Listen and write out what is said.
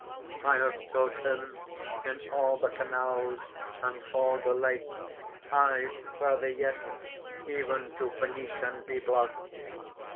"I have sought him in all the canals and all the lakes aye, further yet, even to Ph[oe]nician Byblos.